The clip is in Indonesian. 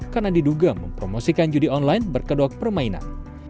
karena diduga mempromosikan judi online berkedok permainan